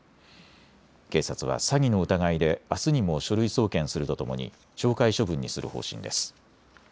警察は詐欺の疑いであすにも書類送検するとともに懲戒処分にする方針です。